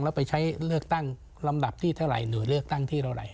แล้วไปใช้เลือกตั้งลำดับที่เท่าไหร่หน่วยเลือกตั้งที่เท่าไหร่